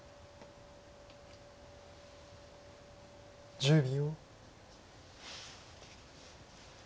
１０秒。